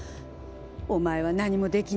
「お前は何もできないんだ。